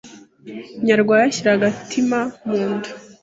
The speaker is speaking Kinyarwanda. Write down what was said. Nyarwaya ashyira agatima mu nda,